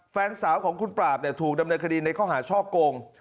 แฟนสาวของคุณปราบถูกดำเนินคดีในข้อหาช่อโกง